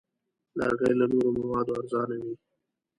لرګی له نورو موادو ارزانه وي.